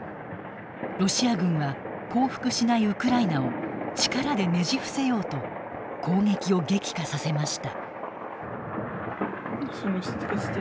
ロシア軍は降伏しないウクライナを力でねじ伏せようと攻撃を激化させました。